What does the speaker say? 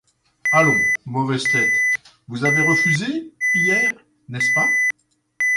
Allons, mauvaise tête, vous avez refusé hier, n'est-ce pas ?